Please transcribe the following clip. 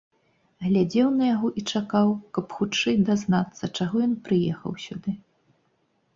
Глядзеў на яго і чакаў, каб хутчэй дазнацца, чаго ён прыехаў сюды.